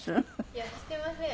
いやしてません。